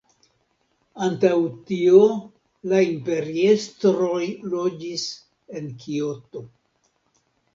Antaŭ tio la imperiestroj loĝis en Kioto.